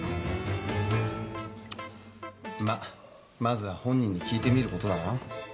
まあまずは本人に聞いてみることだな。